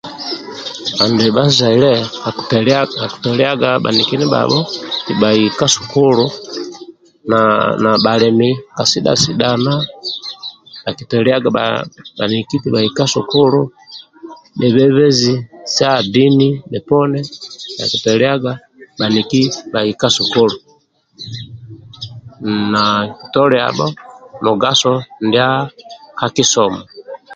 Andibha bhazaile bhakitoliaga bhaniki ndibhabho bhai ka sukulu na na bhalemi ka sidha sidhana bhakitoliaga bhaniki eti bhaye ka sukulu bhebembezi sa dini poni bhakitoliaga bhaniki bhai ka sukulu na toliabho mugaso ka kisomo